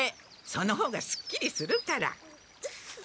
その方がすっきりするから。